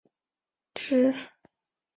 之后雨果详细介绍了尚万强的背景。